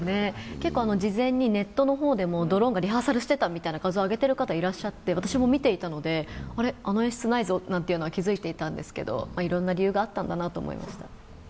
結構事前にネットの方でもドローンがリハーサルしてたと感想を上げていらっしゃるのを私も見ていたので、あれっ、あの演出ないぞというのは気づいていたんですけどいろんな理由があったんだなと思いました。